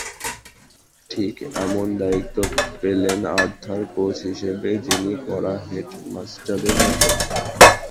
ঠিক এমন সময় দায়িত্ব পেলেন আর্থার, কোচ হিসেবে যিনি কড়া হেডমাস্টারের মতো।